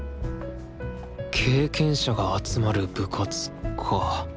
経験者が集まる部活か。